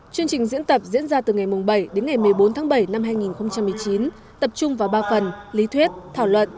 chương trình diễn tập diễn ra từ ngày bảy đến ngày một mươi bốn tháng bảy năm hai nghìn một mươi chín tập trung vào ba phần lý thuyết thảo luận